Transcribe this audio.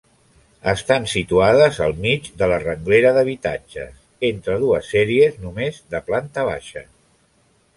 Estan situades al mig de la renglera d'habitatges, entre dues sèries només de planta baixa.